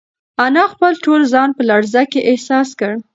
انا خپل ټول ځان په لړزه کې احساس کړ.